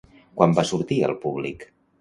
Quan va sortir al públic?